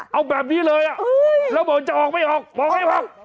เอาแบบนี้เลยแล้วบอกจะออกไม่ออกบอกให้พัก